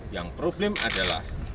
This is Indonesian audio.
yang problem adalah